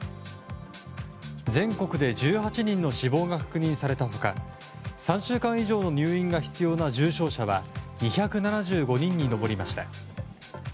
全国で１８人の死亡が確認された他３週間以上の入院が必要な重症者は２７５人に上りました。